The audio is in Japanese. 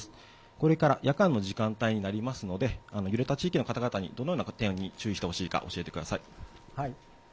これから夜間の時間帯になりますので、揺れた地域の方々に、どのような点に注意してほしいか教えてください。